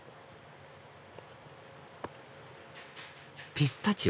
ピスタチオ？